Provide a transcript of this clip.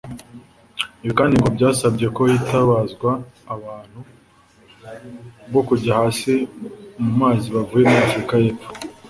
Ibi kandi ngo byasabye ko hitabazwa abantu bo kujya hasi mu mazi bavuye muri Afurika y’Epfo